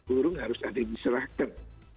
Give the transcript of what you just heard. burung harus ada yang diserahkan